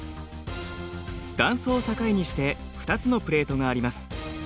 断層を境にして２つのプレートがあります。